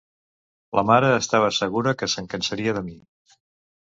La mare estava segura que se'n cansaria... de mi!